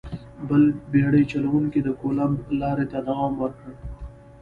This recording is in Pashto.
بل بېړۍ چلوونکي د کولمب لارې ته دوام ورکړ.